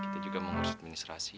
kita juga mengurus administrasi